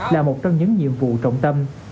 là một trong những nhiệm vụ trọng tâm